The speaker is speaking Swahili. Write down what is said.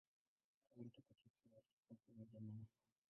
Roho Mtakatifu alikuwa pamoja naye.